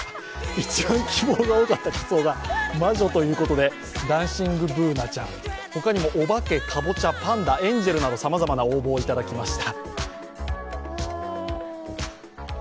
一番希望が多かった仮装が魔女ということで、ダンシングＢｏｏｎａちゃん、他にもお化け、かぼちゃ、パンダエンジェルなどさまざまな応募をいただきました。